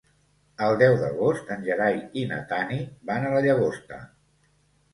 El deu d'agost en Gerai i na Tanit van a la Llagosta.